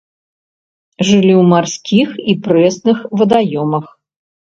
Жылі ў марскіх і прэсных вадаёмах.